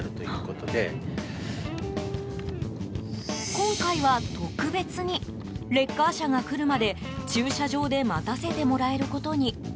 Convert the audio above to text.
今回は特別にレッカー車が来るまで駐車場で待たせてもらえることに。